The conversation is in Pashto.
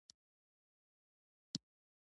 غټ برېتی